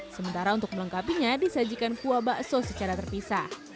sementara untuk melengkapinya disajikan kuah bakso secara terpisah